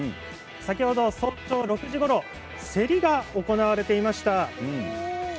先ほど早朝６時ごろ競りが行われていました。